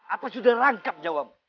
apa sudah rangkap jawabmu